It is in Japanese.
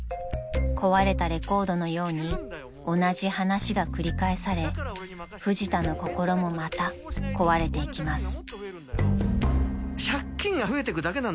［壊れたレコードのように同じ話が繰り返されフジタの心もまた壊れていきます］